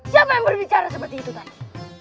siapa yang berbicara seperti itu tadi